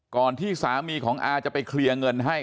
ที่สามีของอาจะไปเคลียร์เงินให้